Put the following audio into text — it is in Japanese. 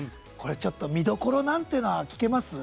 見どころなんていうのは聞けますか？